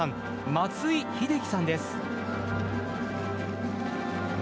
松井秀喜さんです。